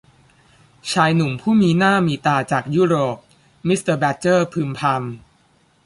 ชายหนุ่มผู้มีหน้ามีตาจากยุโรป มิสเตอร์แบดเจอร์พึมพำ